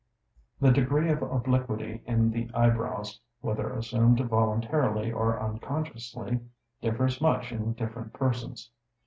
The degree of obliquity in the eyebrows, whether assumed voluntarily or unconsciously, differs much in different persons.